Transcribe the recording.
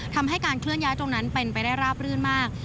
ทำให้การเคลื่อนย้ายตรงนั้นเป็นไปได้ราบรื่นมาก